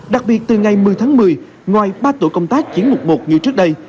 đặc biệt từ ngày một mươi tháng một mươi ngoài ba tổ công tác chiến mục một như trước đây